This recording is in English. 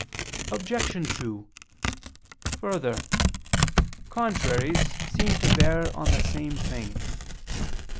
Obj. 2: Further, contraries seem to bear on the same thing.